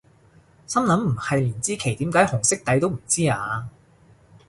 心諗唔係連支旗點解紅色底都唔知咓？